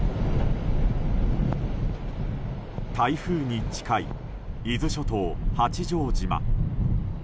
台風に近い伊豆諸島八丈島。